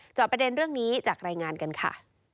จอบประเด็นเรื่องนี้จากรายงานกันค่ะ